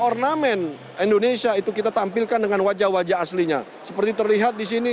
ornamen indonesia itu kita tampilkan dengan wajah wajah aslinya seperti terlihat di sini